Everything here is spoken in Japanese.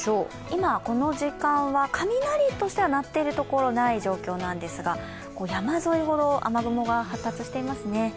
今、この時間は雷としては鳴っているところはないんですが山沿いほど雨雲が発達していますね。